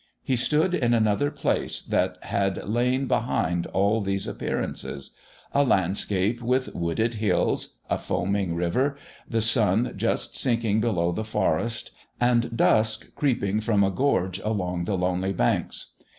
He stood in another place that had lain behind all these appearances a landscape with wooded hills, a foaming river, the sun just sinking below the forest, and dusk creeping from a gorge along the lonely banks.